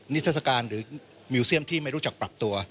นิทรศการหรือมิวเซียมที่ไม่รู้จักปรับตัว